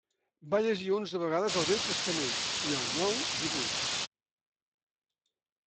Va llegir onze vegades el Vell Testament, i el Nou divuit.